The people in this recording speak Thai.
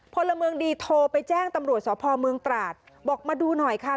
พลเมืองดีโทรไปแจ้งตำรวจสพเมืองตราดบอกมาดูหน่อยค่ะ